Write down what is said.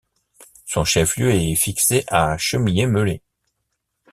Son chef-lieu est fixé à Chemillé-Melay.